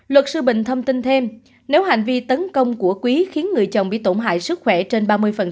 luật sư bình thông tin thêm nếu hành vi tấn công của quý khiến người chồng bị tổn hại sức khỏe trên ba mươi